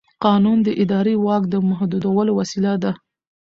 قانون د اداري واک د محدودولو وسیله ده.